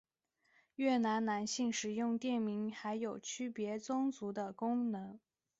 越南男性使用垫名还有区别宗族的功能。